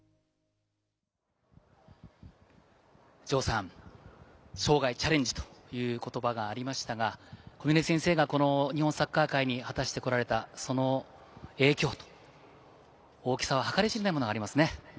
生涯チャレンジという言葉がありましたが、小嶺先生が日本サッカー界に果たしてこられたその影響、大きさは計り知れないものがありますね。